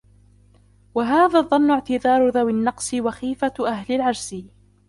وَهَذَا الظَّنُّ اعْتِذَارُ ذَوِي النَّقْصِ وَخِيفَةُ أَهْلِ الْعَجْزِ